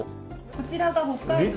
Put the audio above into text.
こちらが北海道の。